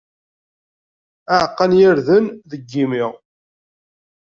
Aɛeqqa n yirden deg yimi.